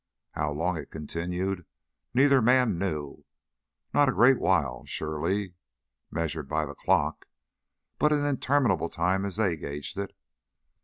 How long it continued, neither man knew not a great while, surely, measured by the clock; but an interminable time as they gauged it.